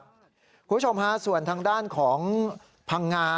คุณผู้ชมฮะส่วนทางด้านของพังงา